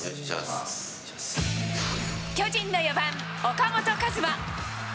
巨人の４番岡本和真。